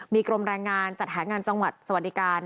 มีกรมแรงงานจัดหางานจังหวัดสวัสดิการ